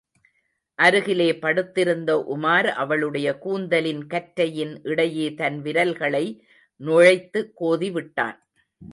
அருகிலே படுத்திருந்த உமார் அவளுடைய கூந்தலின் கற்றையின் இடையே தன் விரல்களை நுழைத்து கோதிவிட்டான்.